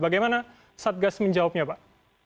bagaimana satgas menjawabnya pak